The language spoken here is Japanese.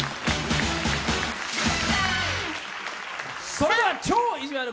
それでは超いじわる